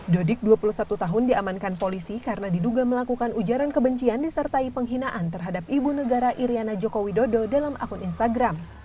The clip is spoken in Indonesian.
dodik dua puluh satu tahun diamankan polisi karena diduga melakukan ujaran kebencian disertai penghinaan terhadap ibu negara iryana joko widodo dalam akun instagram